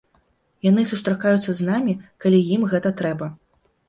Яны сустракаюцца з намі, калі ім гэта трэба.